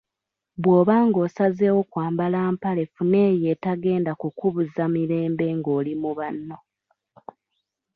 Bw’oba ng’osazeewo kwambala mpale funa eyo etagenda kukubuza mirembe ng’oli mu banno.